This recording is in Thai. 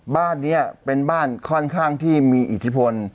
บ้านนี้เป็นบ้านค่อนข้างที่มีอิทธิพล